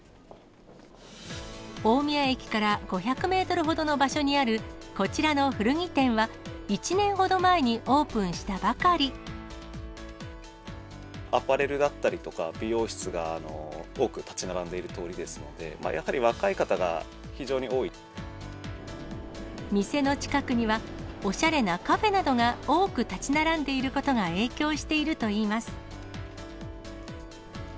大宮駅から５００メートルほどの場所にあるこちらの古着店は、アパレルだったりとか、美容室が多く建ち並んでいる通りですので、やはり若い方が非常に店の近くには、おしゃれなカフェなどが多く建ち並んでいることが影響しているといいます。